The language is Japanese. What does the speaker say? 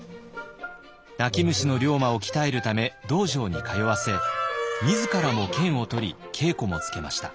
泣き虫の龍馬を鍛えるため道場に通わせ自らも剣を取り稽古もつけました。